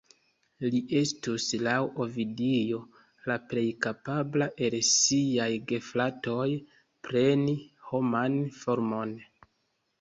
Li estus, laŭ Ovidio, la plej kapabla el siaj gefratoj preni homan formon.